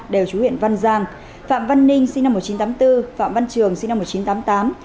đều chú huyện văn giang phạm văn ninh sinh năm một nghìn chín trăm tám mươi bốn phạm văn trường sinh năm một nghìn chín trăm tám mươi tám